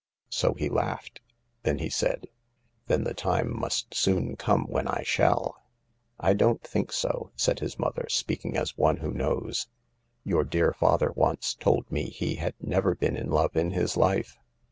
So he laughed. Then he said : ihen the time must soon come when I shall "" 1 don't think so," said his mother, speaking as one who knows. Your dear father once told me he had never been in love in his hfe.